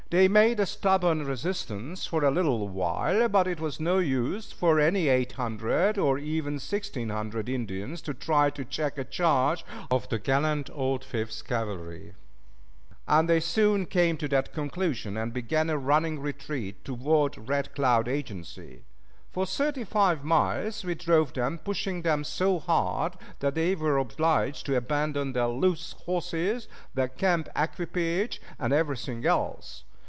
They made a stubborn resistance for a little while, but it was no use for any eight hundred, or even sixteen hundred, Indians to try to check a charge of the gallant old Fifth Cavalry, and they soon came to that conclusion, and began a running retreat toward Red Cloud agency. For thirty five miles we drove them, pushing them so hard that they were obliged to abandon their loose horses, their camp equipage, and everything else.